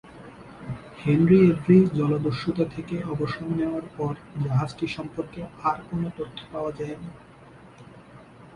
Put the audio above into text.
Henry Every জলদস্যুতা থেকে অবসর নেওয়ার পর জাহাজটি সম্পর্কে আর কোন তথ্য পাওয়া যায়নি।